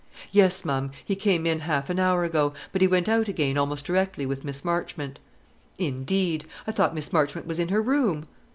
"Yes, ma'am, he came in half an hour ago; but he went out again almost directly with Miss Marchmont." "Indeed! I thought Miss Marchmont was in her room?"